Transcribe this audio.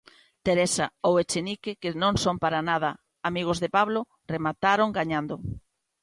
Teresa ou Echenique, que non son para nada, amigos de Pablo, remataron gañando.